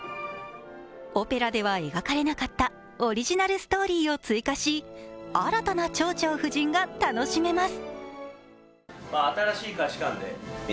オペラでは描かれなかったオリジナルストーリーを追加し、新たな「蝶々夫人」が楽しめます。